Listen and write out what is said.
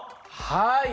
はい。